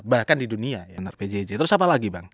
bahkan di dunia ya nrpjj terus apa lagi bang